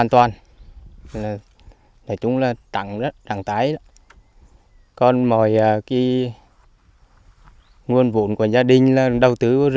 nhiều nhà hàng rừng thật cao của gia đình đã chế một alber